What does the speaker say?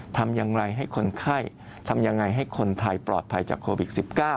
ทำอย่างไรให้คนไข้ทำยังไงให้คนไทยปลอดภัยจากโควิด๑๙